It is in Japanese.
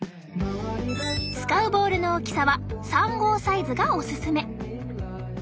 使うボールの大きさは３号サイズがおすすめ。